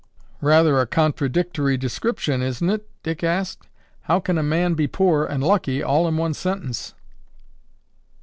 "Rather a contradictory description, isn't it?" Dick asked. "How can a man be poor and lucky all in one sentence?"